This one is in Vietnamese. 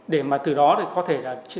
để mà từ đó thì có thể